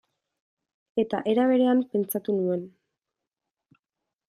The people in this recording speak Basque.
Eta era berean, pentsatu nuen.